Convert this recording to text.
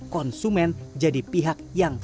konsumen jadi pihak yang